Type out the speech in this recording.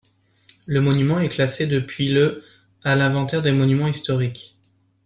Le monument est classé depuis le à l'inventaire des monuments historiques.